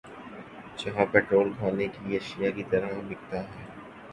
جہاں پیٹرول کھانے کی اشیا کی طرح بِکتا ہے